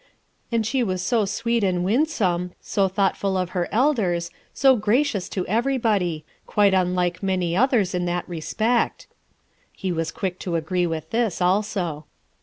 And she was so sweet and winsome, so thought ful of her elders, so gracious to everybody; qu j te unlike many others in that respect. He was quick to agree with this, also.